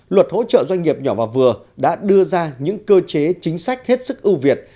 luật hỗ trợ doanh nghiệp nhỏ và vừa đã đưa ra những cơ chế chính sách hết sức ưu việt